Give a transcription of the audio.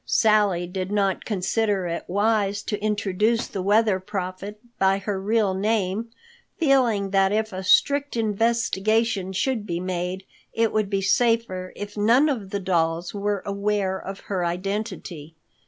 Sally did not consider it wise to introduce the Weather Prophet by her real name, feeling that if a strict investigation should be made, it would be safer if none of the dolls were aware of her identity.